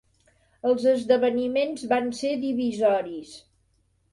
Els esdeveniments van ser divisoris.